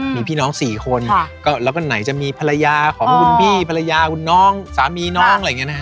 มีพี่น้อง๔คนแล้วก็ไหนจะมีภรรยาของคุณบี้ภรรยาคุณน้องสามีน้องอะไรอย่างนี้นะฮะ